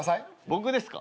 僕ですか？